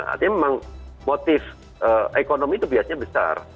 artinya memang motif ekonomi itu biasanya besar